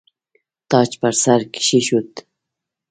تاج پر سر کښېښود.